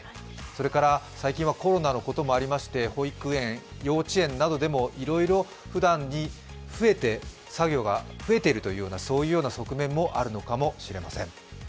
それから、最近はコロナのこともありまして保育園、幼稚園などでもいろいろふだんより作業が増えているそういうような側面もあるのかもしれません。